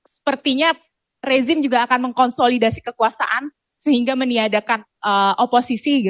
sepertinya rezim juga akan mengkonsolidasi kekuasaan sehingga meniadakan oposisi